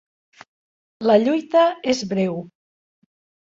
La lluita és breu.